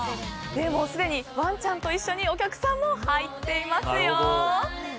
すでにワンちゃんと一緒にお客さんも入っていますよ。